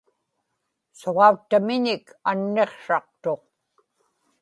suġauttamiñik anniqsraqtuq